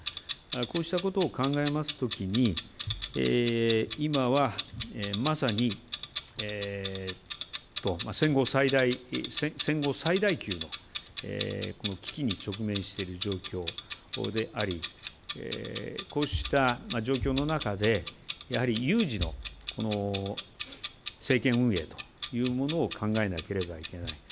こうしたことを考えますときに今はまさに戦後最大級のこの危機に直面している状況でありこうした状況の中でやはり有事の政権運営というものを考えなければいけない。